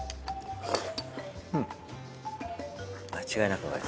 間違いなくうまい。